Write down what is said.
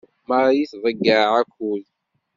Marie tḍeyyeɛ akud.